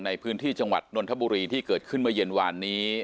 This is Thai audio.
ในพื้นที่จังหวัดนนทบุรีที่เกิดขึ้นเมื่อเย็นวานนี้